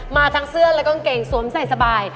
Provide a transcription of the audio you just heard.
มาทั้งเสื้อและกางเกงสวมใส่สบาย